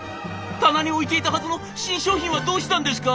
棚に置いていたはずの新商品はどうしたんですか？」。